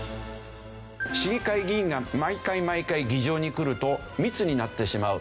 市議会議員が毎回毎回議場に来ると密になってしまう。